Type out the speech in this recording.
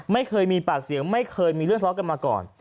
ไม่เคยมีปากเสียงไม่เคยมีเรื่องทะเลาะกันมาก่อน